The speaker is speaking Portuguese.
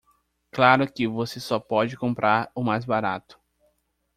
Claro que você só pode comprar o mais barato